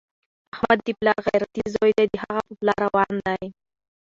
احمد د پلار غیرتي زوی دی، د هغه په پله روان دی.